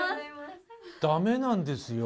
ダメなんですよ。